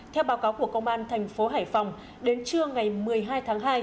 theo báo cáo của công an tp hải phòng đến trưa ngày một mươi hai tháng hai